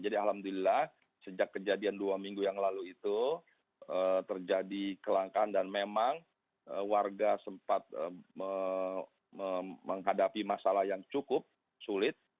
jadi alhamdulillah sejak kejadian dua minggu yang lalu itu terjadi kelangkaan dan memang warga sempat menghadapi masalah yang cukup sulit